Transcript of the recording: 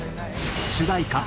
主題歌